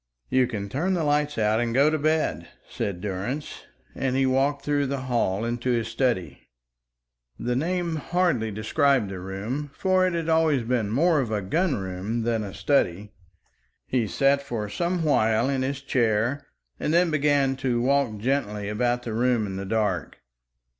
"You can turn the lights out and go to bed," said Durrance, and he walked through the hall into his study. The name hardly described the room, for it had always been more of a gun room than a study. He sat for some while in his chair and then began to walk gently about the room in the dark.